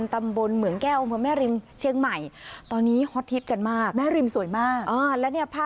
แต่ช่วงนี้เห็นคนถ่ายเยอะนะคะ